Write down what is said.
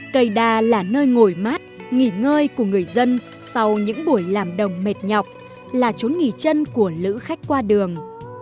cây đa là nơi ngồi mát nghỉ ngơi của người dân sau những buổi làm đồng mệt nhọc là trốn nghỉ chân của lữ khách qua đường